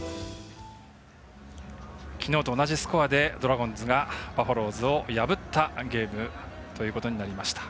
きのうと同じスコアでドラゴンズがバファローズを破ったゲームということになりました。